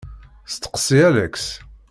Steqsi Alex.